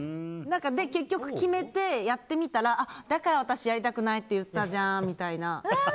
結局、決めてやってみたらだから私やりたくないって言ったじゃんみたいな。